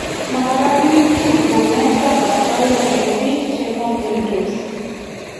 Magaranitu namet ab asoya eng' biik che nyalildos